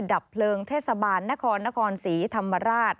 ดับเพลิงเทศบาลนครนครศรีธรรมราช